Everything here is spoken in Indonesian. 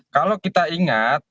kalau kita ingat